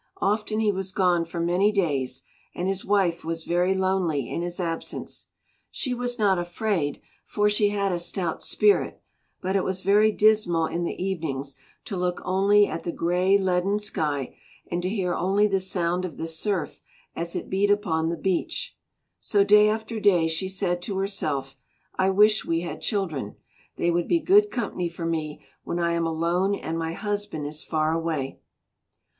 Often he was gone for many days and his wife was very lonely in his absence. She was not afraid, for she had a stout spirit, but it was very dismal in the evenings to look only at the grey leaden sky and to hear only the sound of the surf as it beat upon the beach. So day after day she said to herself, "I wish we had children. They would be good company for me when I am alone and my husband is far away."